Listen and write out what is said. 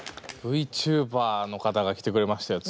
Ｖチューバーの方が来てくれましたよ